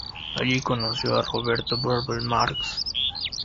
Allí conoció a Roberto Burle Marx.